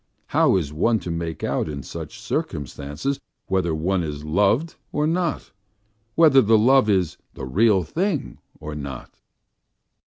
How is one to make out in such circumstances whether one is loved or not? Whether the love is "the real thing" or not?